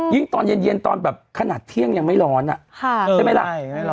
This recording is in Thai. ยิ่งตอนเย็นตอนแบบขนาดเที่ยงยังไม่ร้อนอะ